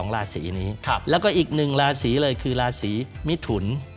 ๒ราศรีนี้แล้วก็อีก๑ราศรีเลยคือราศรีมิถุน